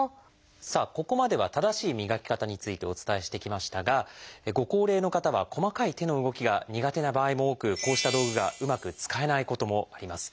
さあここまでは正しい磨き方についてお伝えしてきましたがご高齢の方は細かい手の動きが苦手な場合も多くこうした道具がうまく使えないこともあります。